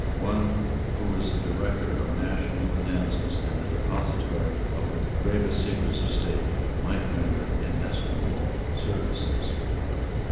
One who was the director of the national finances, and the depository of the gravest secrets of state, might render inestimable services.